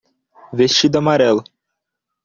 Vestido amarelo.